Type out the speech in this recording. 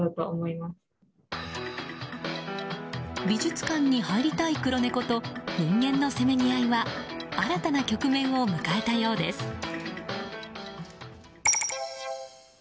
美術館に入りたい黒猫と人間のせめぎ合いは新たな局面を迎えたようです。